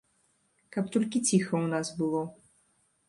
Каб толькі ціха ў нас было.